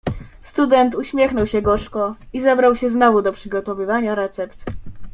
"Student uśmiechnął się gorzko i zabrał się znowu do przygotowywania recept."